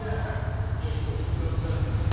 じゃあ石神さん行ってみる？